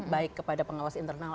baik kepada pengawas internal